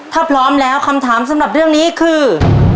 ถ้าพร้อมแล้วคำถามสำหรับเรื่องนี้คือ